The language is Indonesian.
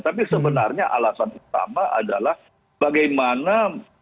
tapi sebenarnya alasan utama adalah bagaimana